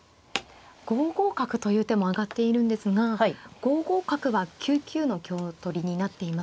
５五角という手も挙がっているんですが５五角は９九の香取りになっていますね。